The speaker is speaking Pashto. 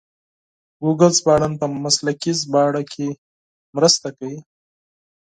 ګوګل ژباړن په مسلکي ژباړه کې مرسته کوي.